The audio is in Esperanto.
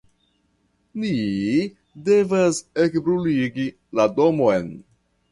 Ni devas ekbruligi la domon.